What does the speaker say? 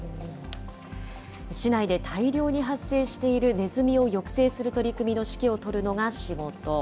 市内で大量に発生しているネズミを抑制する取り組みの指揮を執るのが仕事。